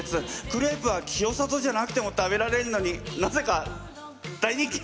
クレープは清里じゃなくても食べられるのになぜか大人気。